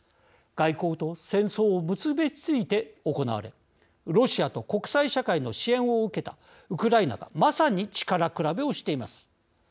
外交と戦争を結びついて行われロシアと国際社会の支援を受けたウクライナがまさに力比べをしています。